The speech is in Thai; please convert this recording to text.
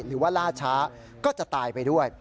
หรือว่าล่าช้าก็จะตายไปด้วย